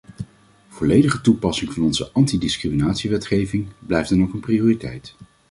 Volledige toepassing van onze anti-discriminatiewetgeving blijft dan ook een prioriteit.